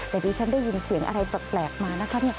แต่ดิฉันได้ยินเสียงอะไรแปลกมานะคะ